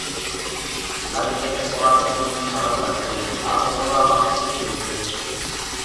life jacket পরা একটি মেয়ে সাঁতার কাটছে আর অন্যরা পাথর থেকে দেখছে